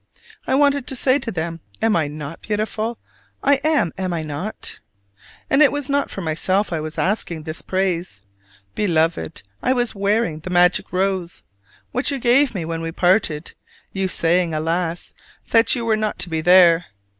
I wanted to say to them, "Am I not beautiful? I am, am I not?" And it was not for myself I was asking this praise. Beloved, I was wearing the magic rose what you gave me when we parted: you saying, alas, that you were not to be there.